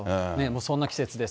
そんな季節です。